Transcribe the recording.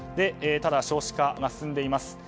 少子化が進んでいます。